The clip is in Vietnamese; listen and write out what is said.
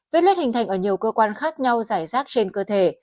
viết loét hình thành ở nhiều cơ quan khác nhau giải rác trên cơ thể